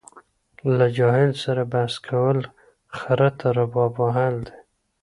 له جاهل سره بحث کول خره ته رباب وهل دي.